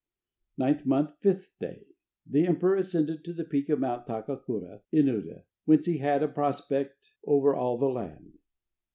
Ninth month, 5th day. The emperor ascended to the peak of Mount Takakura in Uda, whence he had a prospect over all the land.